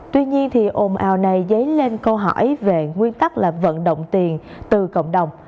tuy nhiên ồn ào này dấy lên câu hỏi về nguyên tắc là vận động tiền từ cộng đồng